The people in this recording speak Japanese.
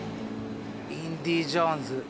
「インディー・ジョーンズ」。